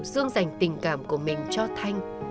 dương dành tình cảm của mình cho thanh